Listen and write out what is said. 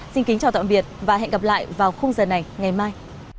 xin kính chào tạm biệt và hẹn gặp lại vào khung giờ này ngày mai